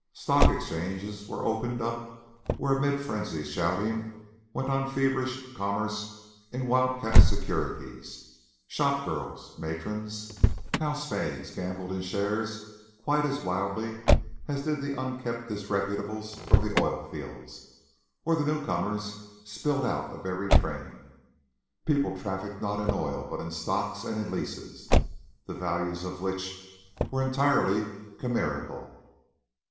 Stock exchanges were opened up where, amid frenzied shoutings, went on a feverish commerce in wildcat securities; shopgirls, matrons, housemaids gambled in shares quite as wildly as did the unkempt disreputables from the oil fields or the newcomers spilled out of every train. People trafficked not in oil, but in stocks and in leases, the values of which were entirely chimerical.